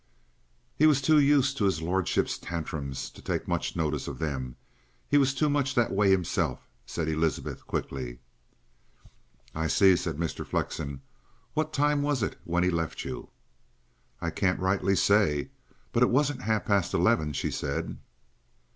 "He was too used to his lordship's tantrums to take much notice of them. He was too much that way himself," said Elizabeth quickly. "I see," said Mr. Flexen. "What time was it when he left you?" "I can't rightly say. But it wasn't half past eleven," she said.